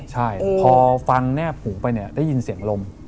ใช่พอฟังแนบหูไปเนี่ยได้ยินเสียงลม